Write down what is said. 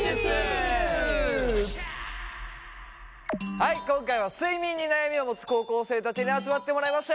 はい今回は睡眠に悩みを持つ高校生たちに集まってもらいました。